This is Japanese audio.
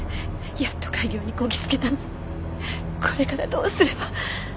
やっと開業にこぎ着けたのにこれからどうすれば。